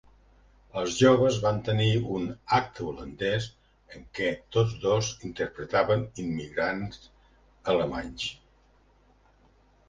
Els joves van tenir un "acte holandès" en què tots dos interpretaven immigrants alemanys.